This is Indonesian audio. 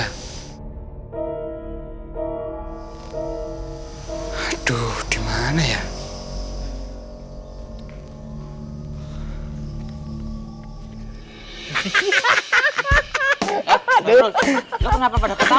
hai oh ya udah mau dibawa kemana mau buang sampel dulu ya mas oh ya udah